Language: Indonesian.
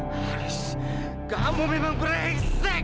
haris kamu memang beresek